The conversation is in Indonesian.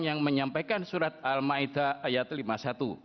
yang menyampaikan surat al ma'idah lima puluh satu